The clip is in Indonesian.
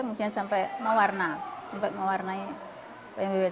kemudian sampai mewarnai wayang beber